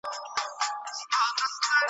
چا په میاشت او چا په کال دعوه ګټله .